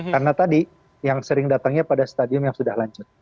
karena tadi yang sering datangnya pada stadium yang sudah lanjut